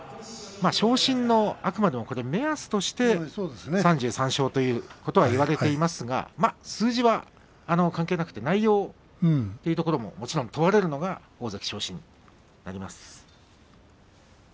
昇進のあくまでも目安として３３勝といわれていますが数字は関係なくて内容というところも、もちろん問われるのが大関昇進になります。